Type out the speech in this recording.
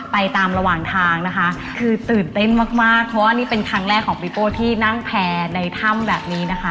ไปตามระหว่างทางนะคะคือตื่นเต้นมากมากเพราะว่านี่เป็นครั้งแรกของปีโป้ที่นั่งแพร่ในถ้ำแบบนี้นะคะ